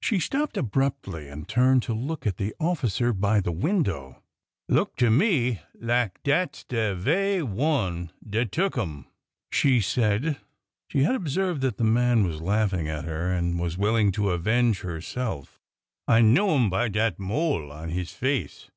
She stopped abruptly and turned to look at the officer by the window. Look to me lak dat 's de ve'y one dat tuk 'em," she said. She had observed that the man was laughing at her, and was willing to avenge herself. I know 'im by dat mole on his face."